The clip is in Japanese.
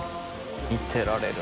見てられる。